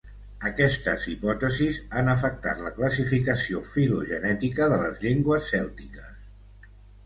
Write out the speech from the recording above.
Aquestes hipòtesis han afectat la classificació filogenètica de les llengües cèltiques.